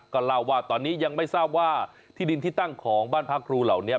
ก็เล่าว่าตอนนี้ยังไม่ทราบว่าที่ดินที่ตั้งของบ้านพระครูเหล่านี้